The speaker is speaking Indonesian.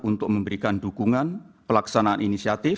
untuk memberikan dukungan pelaksanaan inisiatif